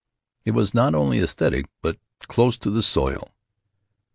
It was not only esthetic, but Close to the Soil.